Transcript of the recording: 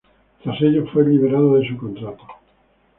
Tras ello, fue liberado de su contrato.